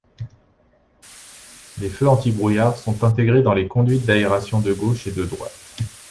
Les feux antibrouillard sont intégrés dans les conduits d'aération de gauche et de droite.